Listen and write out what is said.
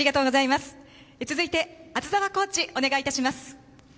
続いて厚澤コーチ、お願いいたします。